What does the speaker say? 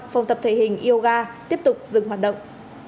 phòng tập thể hình yoga tiếp tục dừng hoạt động